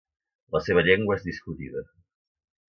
La seva llengua és discutida.